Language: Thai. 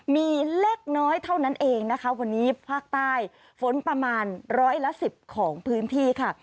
มีเล็กน้อยเท่านั้นเองนะคะวันนี้ภาคใต้ฝนประมาณร้อยละสิบของพื้นที่ค่ะ